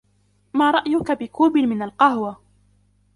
ما رأيك بكوب من القهوة ؟